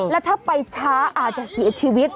แล้วถ้าไปช้าอาจจะเสียชีวิต